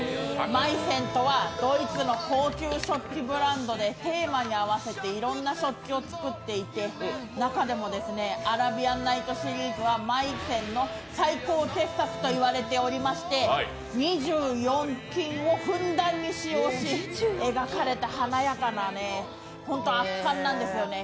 マイセンとはドイツの高級食器ブランドでテーマに合わせていろんな食器を作っていて、中でもアラビアンナイトシリーズはマイセンの最高傑作といわれておりまして２４金をふんだんに使用し描かれた華やかな、本当に圧巻なんですよね。